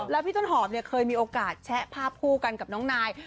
แล้วพี่ต้นหอมเนี่ยเคยมีโอกาสแชะภาพคู่กันกับน้องนาย